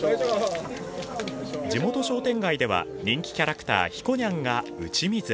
地元商店街では人気キャラクター・ひこにゃんが打ち水。